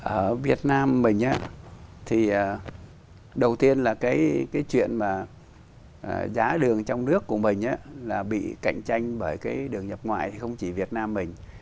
ở việt nam mình thì đầu tiên là cái chuyện mà giá đường trong nước của mình là bị cạnh tranh bởi cái đường nhập ngoại thì không chỉ việt nam mình